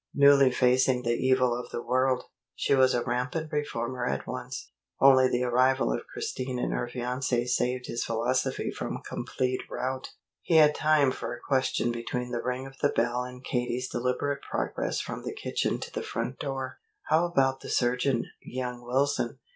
Newly facing the evil of the world, she was a rampant reformer at once. Only the arrival of Christine and her fiance saved his philosophy from complete rout. He had time for a question between the ring of the bell and Katie's deliberate progress from the kitchen to the front door. "How about the surgeon, young Wilson?